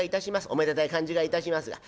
おめでたい感じがいたしますが。